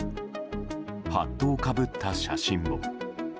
ハットをかぶった写真も。